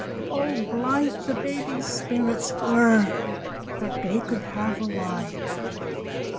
O, blithe the babies' spirits were, That they could have a ride!